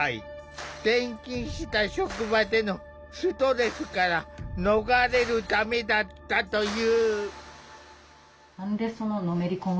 転勤した職場でのストレスから逃れるためだったという。